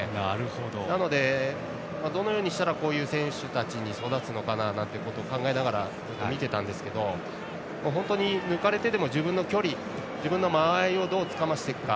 なので、どのようにしたらこういう選手たちに育つのかなと考えながら見ていたんですけど本当に抜かれてでも自分の距離、間合いをどうつかませていくか。